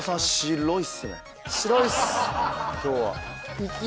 今日は。